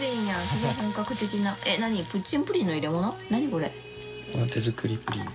これは手作りプリン。